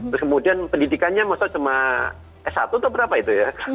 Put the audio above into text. terus kemudian pendidikannya maksudnya cuma s satu atau berapa itu ya